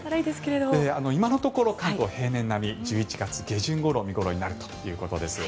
今のところ関東は平年並み１１月下旬ごろ見頃になるということです。